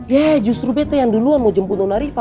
ya justru aku yang duluan mau jemput nona riva